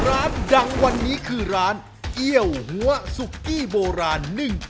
ร้านดังวันนี้คือร้านเกี้ยวหัวสุกี้โบราณ